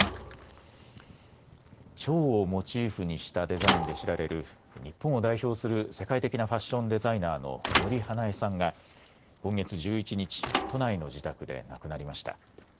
ちょうをモチーフにしたデザインで知られる日本を代表する世界的なファッションデザイナーの森英恵さんが今月１１日、都内の自宅で亡くなりました。